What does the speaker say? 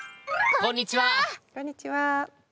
こんにちは。